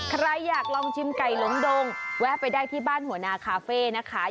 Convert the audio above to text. ใครอยากลองชิมไก่หลงดงแวะไปได้ที่บ้านหัวนาคาเฟ่นะคะ